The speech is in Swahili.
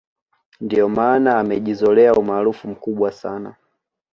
ndio maana amejizolea umaarufu mkubwa sana